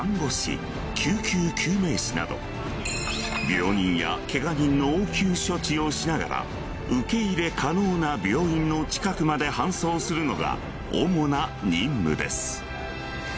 病人やケガ人の応急処置をしながら受け入れ可能な病院の近くまで搬送するのが主な任務です